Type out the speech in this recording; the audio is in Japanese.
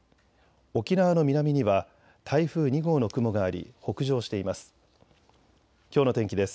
沖縄の南には台風２号の雲があり北上しています。